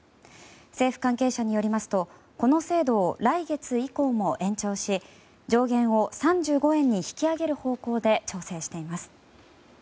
政府関係者によりますとこの制度を来月以降も延長し上限を３５円に引き上げる方向で調整しています。